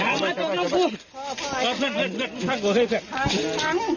นะครับ